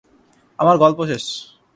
আমার গল্প শেষ।